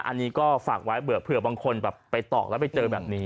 อันนี้ก็ฝากไว้เผื่อบางคนแบบไปตอกแล้วไปเจอแบบนี้